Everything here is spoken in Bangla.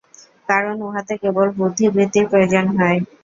কারণ উহাতে কেবল বুদ্ধিবৃত্তির প্রয়োজন হয়।